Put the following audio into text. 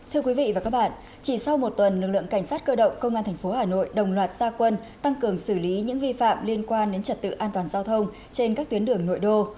thưa quý vị và các bạn chỉ sau một tuần lực lượng cảnh sát cơ động công an tp hà nội đồng loạt gia quân tăng cường xử lý những vi phạm liên quan đến trật tự an toàn giao thông trên các tuyến đường nội đô